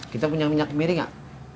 kita punya minyak kemiri gak